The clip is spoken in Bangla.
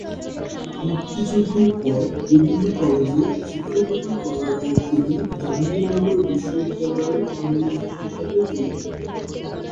মুক্তিযুদ্ধের পর বিভিন্ন কলেজে শিক্ষকতা করার পর তিনি জাহাঙ্গীরনগর বিশ্ববিদ্যালয়ের ইংরেজি বিভাগে যোগ দেন।